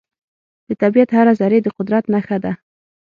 د طبیعت هره ذرې د قدرت نښه ده.